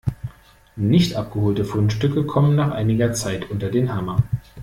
Nicht abgeholte Fundstücke kommen nach einiger Zeit unter den Hammer.